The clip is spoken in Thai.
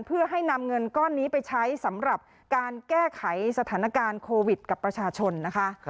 เพื่อให้นำเงินก้อนนี้ไปใช้สำหรับการแก้ไขสถานการณ์โควิดกับประชาชนนะคะ